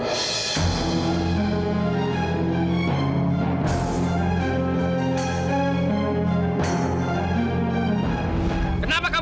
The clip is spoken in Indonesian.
kenapa kamu melukis